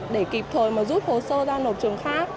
để kịp thôi mà rút hồ sơ ra nộp trường khác